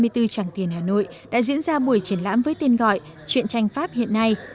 trang tiền hà nội đã diễn ra buổi triển lãm với tên gọi chuyện tranh pháp hiện nay